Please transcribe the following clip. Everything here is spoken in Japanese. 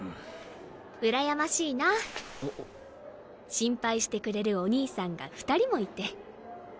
心配してくれるお兄さんが２人もいて。